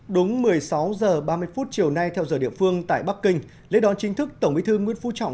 đúng một mươi sáu h ba mươi phút chiều nay theo giờ địa phương tại bắc kinh lễ đón chính thức tổng bí thư nguyễn phú trọng